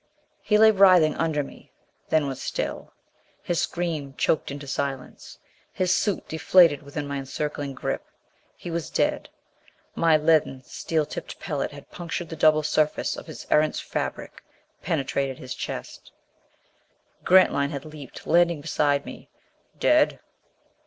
He lay writhing under me; then was still. His scream choked into silence. His suit deflated within my encircling grip. He was dead: my leaden, steel tipped pellet had punctured the double surface of his Erentz fabric; penetrated his chest. Grantline had leaped, landing beside me. "Dead?"